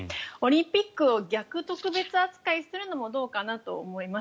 オリンピックを逆特別扱いするのもどうかなと思います。